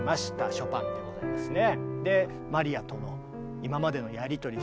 ショパンでございますね。